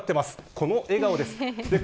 この笑顔です。